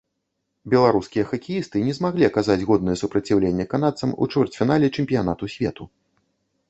Беларускія хакеісты не змаглі аказаць годнае супраціўленне канадцам у чвэрцьфінале чэмпіянату свету.